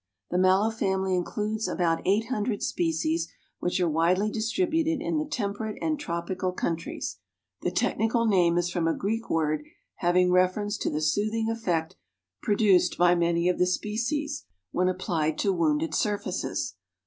The Mallow Family includes about eight hundred species which are widely distributed in the temperate and tropical countries. The technical name is from a Greek word having reference to the soothing effect produced by many of the species, when applied to wounded surfaces.